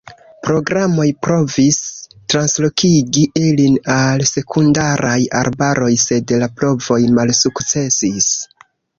Programoj provis translokigi ilin al sekundaraj arbaroj, sed la provoj malsukcesis.